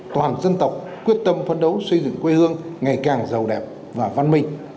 toàn dân tộc quyết tâm phấn đấu xây dựng quê hương ngày càng giàu đẹp và văn minh